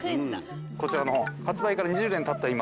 こちらの本発売から２０年たった今。